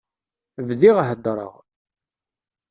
Bdiɣ heddreɣ.